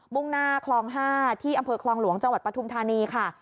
่งหน้าคลอง๕ที่อำเภอคลองหลวงจังหวัดปฐุมธานีค่ะ